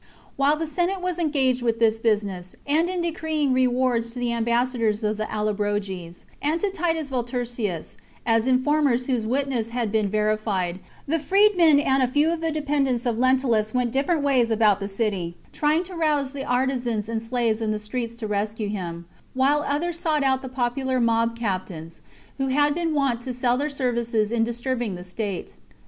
While the Senate was engaged with this business, and in decreeing rewards to the ambassadors of the Allobroges, and to Titus Volturcius, as informers whose witness had been verified, the freedmen and a few of the dependents of Lentulus went different ways about the city, trying to rouse the artisans and slaves in the streets to rescue him ; while others sought out L. THE CONSPIRACY OF CATILINE. 43 the popular mob captains, who had been wont to sell chap. their services in disturbing the state.